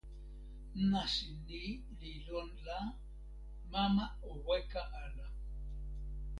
nasin ni li lon la, mama o weka ala.